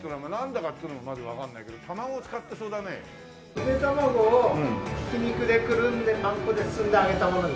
ゆで卵をひき肉でくるんでパン粉で包んで揚げたものです。